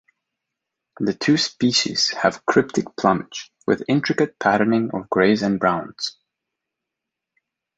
The two species have cryptic plumage, with intricate patterning of greys and browns.